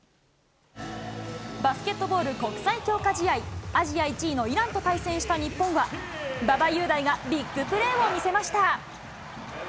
バスケットボール国際強化試合、アジア１位のイランと対戦した日本は、馬場雄大がビッグプレーを見せました。